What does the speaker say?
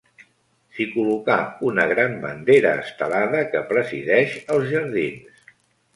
S'hi col·locà una gran bandera estelada que presideix els jardins.